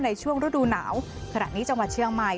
ในช่วงฤดูหนาวขณะนี้จังหวัดเชียงใหม่